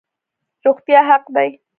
روغتیا حق دی